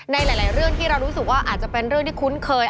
ในหลายเรื่องที่เรารู้สึกว่าอาจจะเป็นเรื่องที่คุ้นเคย